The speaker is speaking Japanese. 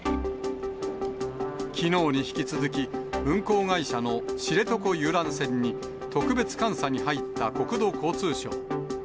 きのうに引き続き、運航会社の知床遊覧船に特別監査に入った国土交通省。